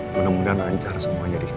mudah mudahan lancar semuanya di sini